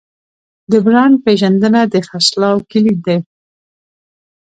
د برانډ پیژندنه د خرڅلاو کلید دی.